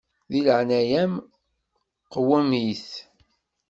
Di leɛnaya-m qwem-it.